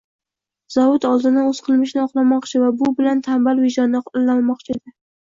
Zobit oldindan o`z qilmishini oqlamoqchi va bu bilan tanbal vijdonini allalamoqchi edi